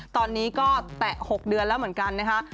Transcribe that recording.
ตอนนี้ก็แตะ๖เดือนแล้วเหมือนกันนะคะ